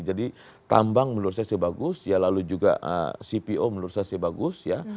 jadi tambang menurut saya sih bagus ya lalu juga cpo menurut saya sih bagus ya